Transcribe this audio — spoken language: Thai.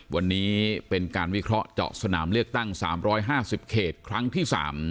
วันนี้เป็นการวิเคราะห์เจาะสนามเลือกตั้ง๓๕๐เขตครั้งที่๓